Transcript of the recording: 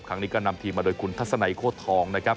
ครั้งนี้ก็นำทีมมาโดยคุณทัศนัยโค้ดทองนะครับ